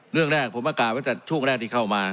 เรื่องแรกผมประกาศไว้แต่ช่วงแรกที่เข้ามา